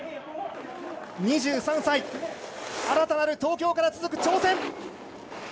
２３歳、新たなる東京から続く挑戦。